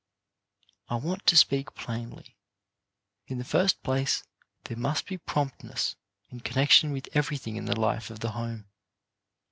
I want to speak plainly. In the first place there must be promptness in connection with every thing in the life of the home.